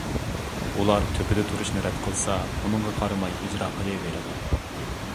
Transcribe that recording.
ئۇلار تۆپىدە تۇرۇشنى رەت قىلسا، ئۇنىڭغا قارىماي ئىجرا قىلىۋېرىدۇ.